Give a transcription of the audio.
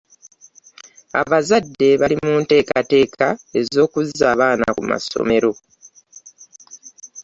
Abazadde bali muntekateeka ez'okuzza abaana ku masomero.